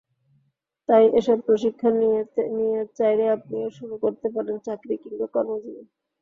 তাই এসব প্রশিক্ষণ নিয়ে চাইলে আপনিও শুরু করতে পারেন চাকরি কিংবা কর্মজীবন।